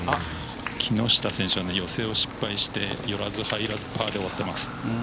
木下選手は寄せを失敗して寄らず入らずパーで終わっています。